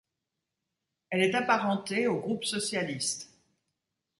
Elle est apparentée au groupe socialiste.